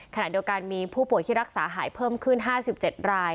ขณะเดียวกันมีผู้ป่วยที่รักษาหายเพิ่มขึ้น๕๗ราย